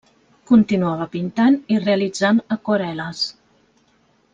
Continuava pintant i realitzant aquarel·les.